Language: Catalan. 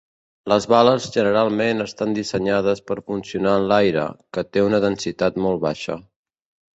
Les bales generalment estan dissenyades per funcionar en l'aire, que té una densitat molt baixa.